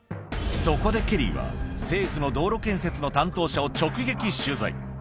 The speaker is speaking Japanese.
そこでケリーは政府の道路建設担当者を直撃取材。